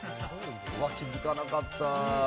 気づかなかった。